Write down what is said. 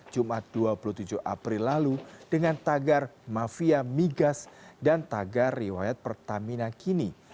jumat dua puluh tujuh april lalu dengan tagar mafia migas dan tagar riwayat pertamina kini